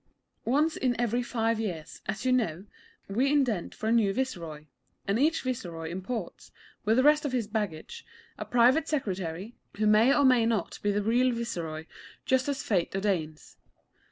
Once in every five years, as you know, we indent for a new Viceroy; and each Viceroy imports, with the rest of his baggage, a Private Secretary, who may or may not be the real Viceroy, just as Fate ordains.